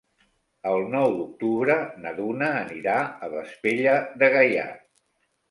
El nou d'octubre na Duna anirà a Vespella de Gaià.